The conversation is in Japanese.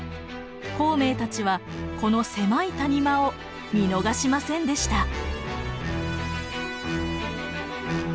孔明たちはこの狭い谷間を見逃しませんでした。